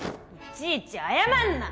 いちいち謝んな！